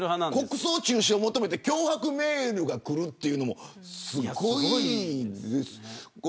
国葬中止を求めて脅迫メールがくるというのもすごいですね。